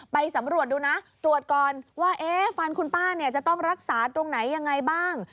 ไปสำรวจดูนะตรวจก่อนว่าฟันคุณป้าเนี่ยจะต้องรักษาตรงไหนยังไงบ้าง